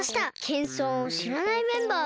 けんそんをしらないメンバーが。